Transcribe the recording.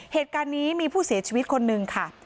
เหตุการณ์นี้มีผู้เสียชีวิตคนนึงค่ะ